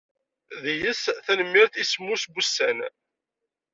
Dys tanemmirt i semmes wussan.